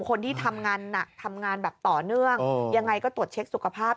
คนที่ทำงานต่อเนื่องยังไงก็ตรวจเช็คสุขภาพ